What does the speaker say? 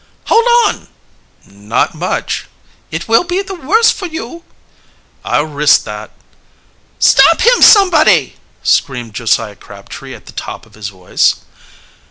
"Hold on!" "Not much!" "It will be the worse for you!" "I'll risk that." "Stop him, somebody!" screamed Josiah Crabtree at the top of his voice.